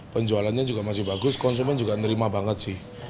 penjualannya juga masih bagus konsumen juga nerima banget sih